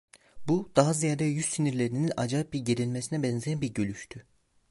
Bu, daha ziyade yüz sinirlerinin acayip bir gerilmesine benzeyen bir gülüştü.